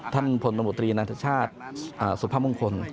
ท่านฝนระบบตรีนักล้างชาติสุภามงคล